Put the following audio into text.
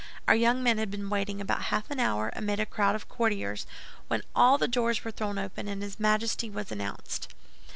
Our young men had been waiting about half an hour, amid a crowd of courtiers, when all the doors were thrown open, and his Majesty was announced.